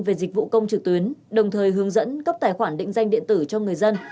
về dịch vụ công trực tuyến đồng thời hướng dẫn cấp tài khoản định danh điện tử cho người dân